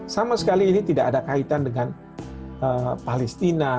sama sekali ini tidak ada kaitan dengan palestina